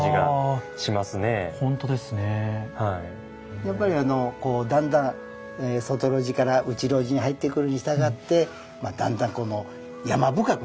やっぱりあのこうだんだん外露地から内露地に入ってくるにしたがってだんだんこの山深くなっていく。